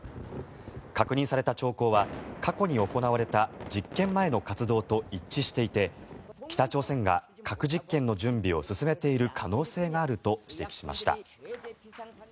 確認された兆候は過去に行われた実験前の活動と一致していて北朝鮮が核実験の準備を進めている可能性があると指摘しました。